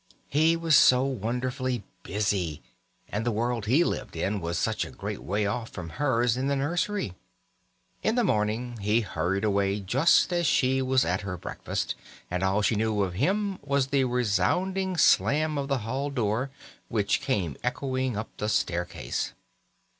He was so wonderfully busy, and the world he lived in was such a great way off from hers in the nursery. In the morning he hurried away just as she was at her breakfast, and all she knew of him was the resounding slam of the hall door, which came echoing up the staircase.